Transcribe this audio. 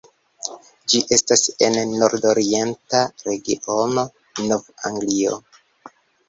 Ĝi estas en la nord-orienta regiono Nov-Anglio.